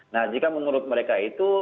nah jika menurut mereka itu